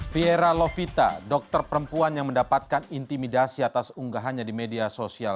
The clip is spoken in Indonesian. fiera lovita dokter perempuan yang mendapatkan intimidasi atas unggahannya di media sosial